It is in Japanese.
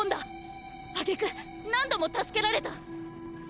挙句何度も助けられた。